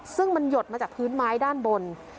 ซึ่งมันหยดมาจากพื้นไม้ด้านบน